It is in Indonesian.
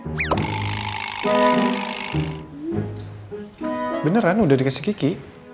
beneran udah dikasih kiki